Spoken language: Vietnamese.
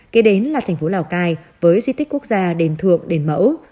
kế đến là thành phố lào cai với di tích quốc gia đền thượng đền mẫu